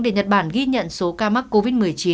để nhật bản ghi nhận số ca mắc covid một mươi chín